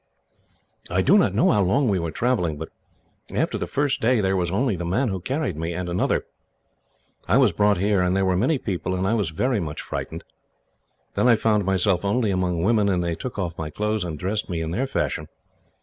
"I do not know how long we were travelling, but after the first day there was only the man who carried me, and another. I was brought here, and there were many people, and I was very much frightened. Then I found myself only among women, and they took off my clothes and dressed me in their fashion.